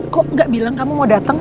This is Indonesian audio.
kok gak bilang kamu mau datang